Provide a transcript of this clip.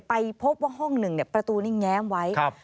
ไปพบว่าห้องหนึ่งประตูนี้แง้มไว้